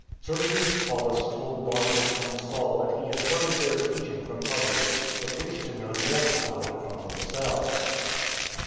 Sergius Paulus told Barnabas and Saul that he had heard of their teaching from others, but wished to know more about it from themselves.